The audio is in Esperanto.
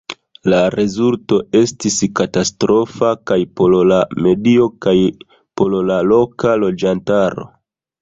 La rezulto estis katastrofa kaj por la medio kaj por la loka loĝantaro.